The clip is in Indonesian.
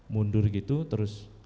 mundur gitu terus